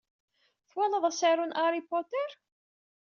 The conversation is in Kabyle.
Twalaḍ asaru n Harry Potter?